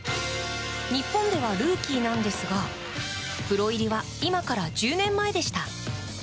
日本ではルーキーなんですがプロ入りは今から１０年前でした。